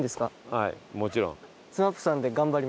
はいもちろん。